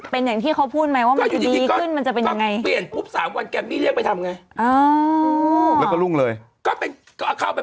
เป็นอย่างที่เขาพูดไหมว่ามันก็อยู่ดีก็ขึ้นมันจะเป็นยังไง